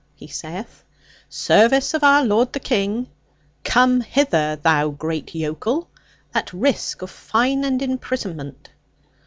he saith; 'service of our lord the King! Come hither, thou great yokel, at risk of fine and imprisonment.'